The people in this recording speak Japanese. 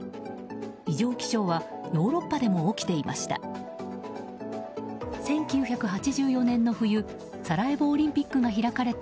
異常気象はヨーロッパでも起きていました。